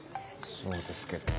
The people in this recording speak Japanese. そうですけど。